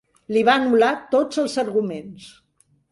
Li va anul·lar tots els arguments.